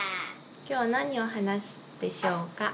きょう何を話すでしょうか。